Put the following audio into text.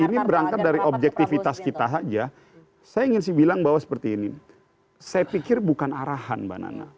ini berangkat dari objektivitas kita saja saya ingin sih bilang bahwa seperti ini saya pikir bukan arahan mbak nana